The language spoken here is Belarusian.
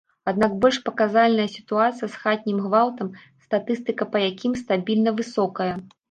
Аднак больш паказальная сітуацыя з хатнім гвалтам, статыстыка па якім стабільна высокая.